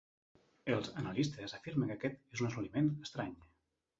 Els "Analistes" afirmen que aquest és un assoliment estrany.